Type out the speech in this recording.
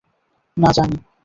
না, জানি।